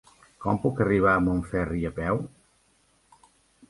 Com puc arribar a Montferri a peu?